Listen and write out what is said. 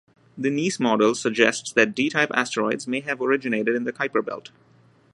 The Nice model suggests that D-type asteroids may have originated in the Kuiper belt.